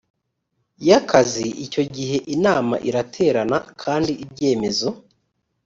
y akazi icyo gihe inama iraterana kandi ibyemezo